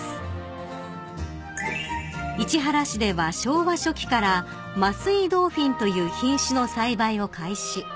［市原市では昭和初期から桝井ドーフィンという品種の栽培を開始］